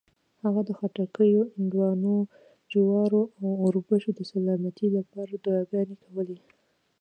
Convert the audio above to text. هغه د خټکو، هندواڼو، جوارو او اوربشو د سلامتۍ لپاره دعاګانې کولې.